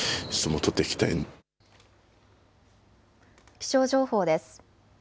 気象情報です。